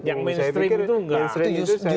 yang mainstream itu enggak